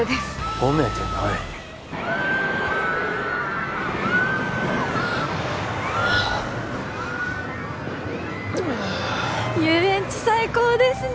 褒めてない遊園地最高ですね